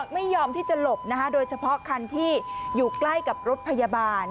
ไม่ยอมที่จะหลบนะคะโดยเฉพาะคันที่อยู่ใกล้กับรถพยาบาล